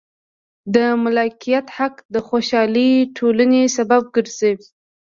د مالکیت حق د خوشحالې ټولنې سبب ګرځي.